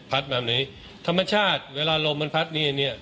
พัดแบบนี้ธรรมชาติเวลาลมมันพัดนี้อันนี้